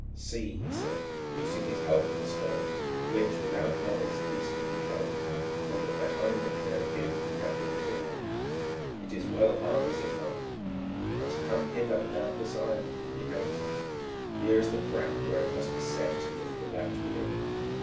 "See," he said, loosing his hold of the stone, which without noise instantly closed, so that behind them there appeared to be nothing but a wall, "it is well hung, is it not? and to come hither without this iron would be dangerous. Here is the crack where it must be set to lift the latch within."